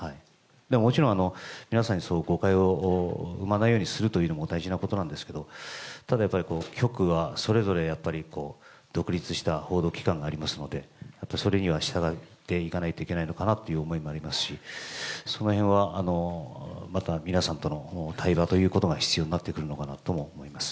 もちろん、皆さんにそう誤解を生まないようにするというのも大事なことなんですけれども、ただやっぱり局はそれぞれやっぱり独立した報道機関がありますので、それには従っていかないといけないのかなという思いもありますし、そのへんはまた皆さんとの対話ということが必要になってくるのか